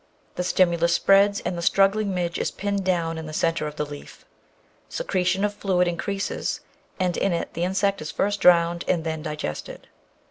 The stimulus spreads, and the struggling midge is pinned down in the centre of the leaf. Secretion of fluid in creases, and in it the insect is first drowned and then digested.